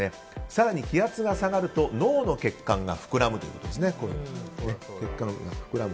更に気圧が下がると脳の血管が膨らむということです。